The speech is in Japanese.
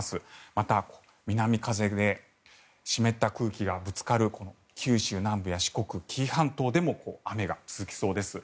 また、南風で湿った空気がぶつかるこの九州南部や、四国紀伊半島でも雨が続きそうです。